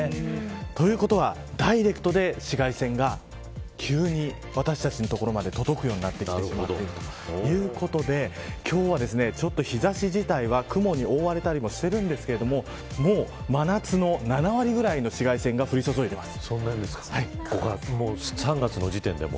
ということ、ダイレクトで紫外線が急に私たちの所まで届くようになってきてしまっているということで今日は日差し自体が雲に覆われているんですがもう真夏の７割くらいの３月の時点でも。